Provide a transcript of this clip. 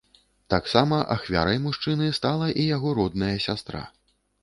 Таксама ахвярай мужчыны стала і яго родная сястра.